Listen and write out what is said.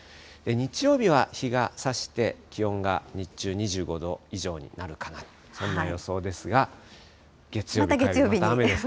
日曜日は日がさして、気温が日中２５度以上になるかなと、そんな予想ですが、月曜日、雨です。